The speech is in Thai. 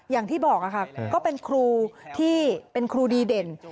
อย่างที่บอกค่ะก็เป็นครูที่เป็นครูดีเด่น